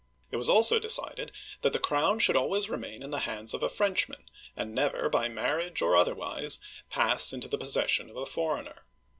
It was also decided that the crown should always remain in the hands of a Frenchrnan, and never by marriage, or otherwise, pass into the possession of a foreigner.